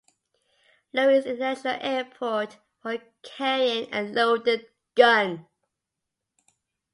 Louis International Airport for carrying a loaded gun.